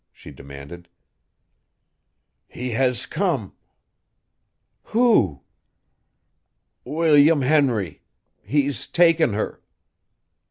she demanded. "He has come!" "Who?" "William Henry! He's taken her!"